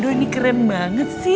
aduh ini keren banget sih